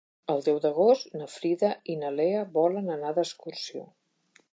El deu d'agost na Frida i na Lea volen anar d'excursió.